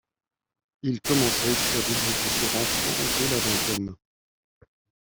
Il commence à écrire des livres pour enfants dès la vingtaine.